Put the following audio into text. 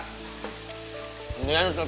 ini ada teleponnya seboy